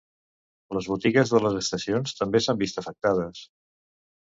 Les botigues de les estacions també s'han vist afectades.